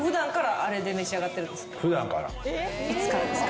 いつからですか？